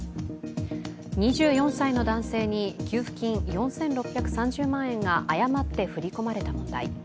２４歳の男性に給付金４６３０万円が誤って振り込まれた問題。